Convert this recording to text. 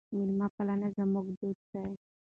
میلمه پالنه زموږ دود دی.